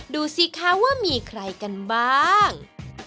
ดูสิคะว่ามีใครกันบ้าง